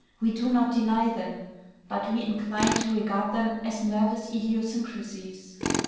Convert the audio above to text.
We do not deny them; but we incline to regard them as nervous idiosyncrasies.